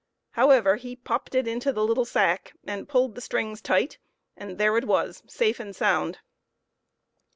However, he popped it into the little sack and pulled the strings tight, and there it was, safe and sound.